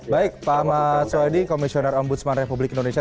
baik pak ahmad swadi komisioner om budsman republik indonesia